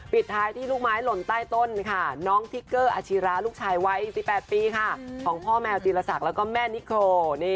ปิดท้ายที่ลูกไม้หล่นใต้ต้นค่ะน้องทิกเกอร์อาชีระลูกชายวัย๑๘ปีค่ะของพ่อแมวจีรศักดิ์แล้วก็แม่นิโค